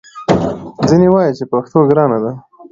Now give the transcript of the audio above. ځینې وايي چې پښتو ګرانه ده